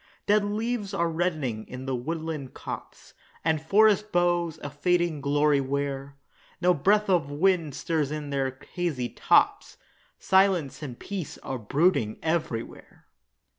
Dead leaves are reddening in the woodland copse, And forest boughs a fading glory wear; No breath of wind stirs in their hazy tops, Silence and peace are brooding everywhere.